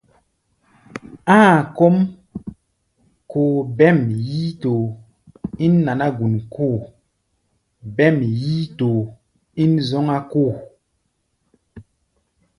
Áa kɔ́ʼm koo bêm yíítoo ín naná-gun kóo, bêm yíítoo ín zɔ́ŋá-kóo.